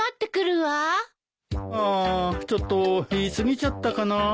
ああちょっと言い過ぎちゃったかなあ？